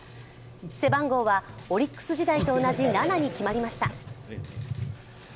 背番号はオリックス時代と同じ７に決まりました。